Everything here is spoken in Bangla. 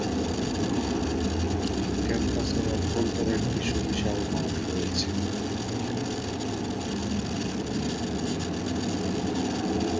ক্যাম্পাসের অভ্যন্তরে একটি সুবিশাল মাঠ রয়েছে।